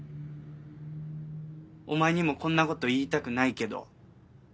お前にもこんなこと言いたくないけど。